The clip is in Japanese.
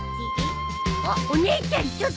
あっお姉ちゃんちょっと聞いた！？